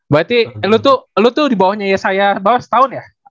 berarti lu tuh lu tuh dibawahnya yesaya bawah setahun ya